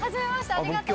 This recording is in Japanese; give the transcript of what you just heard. ありがとう。